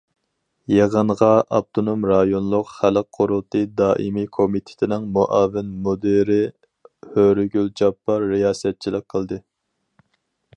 يىغىنغا ئاپتونوم رايونلۇق خەلق قۇرۇلتىيى دائىمىي كومىتېتىنىڭ مۇئاۋىن مۇدىرى ھۆرىگۈل جاپپار رىياسەتچىلىك قىلدى.